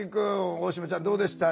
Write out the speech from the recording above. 大島ちゃんどうでした？